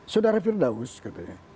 saudara firdaus katanya